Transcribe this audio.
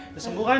udah sembuh kan